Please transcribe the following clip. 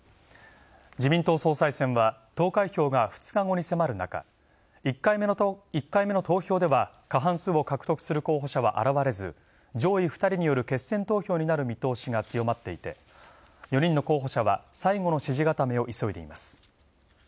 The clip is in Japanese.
自民党総裁選は、投開票が２日後に迫る中、１回目の投票では過半数を獲得する候補者は現れず、上位２人による決選投票になる見通しが強まっていて、４人の候補者は最後の支援固めを急いでいます。